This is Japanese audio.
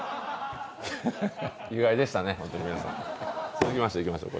続きましていきましょう。